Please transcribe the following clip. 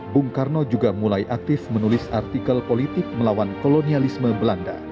bung karno juga mulai aktif menulis artikel politik melawan kolonialisme belanda